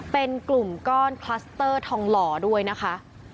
เป็นกลุ่มก้อนคลัสเตอร์ทองหล่อด้วยนะคะ